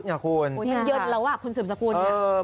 มันเยินแล้วคุณเสี่ยงสกวน